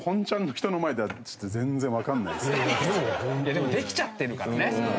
でもできちゃってるからね。